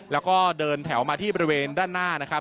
แล้วก็เดินแถวมาที่บริเวณด้านหน้านะครับ